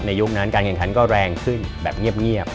ยุคนั้นการแข่งขันก็แรงขึ้นแบบเงียบ